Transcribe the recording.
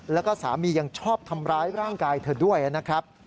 แล้วก็สามียังชอบทำร้ายร่างกายเธอด้วยนะครับ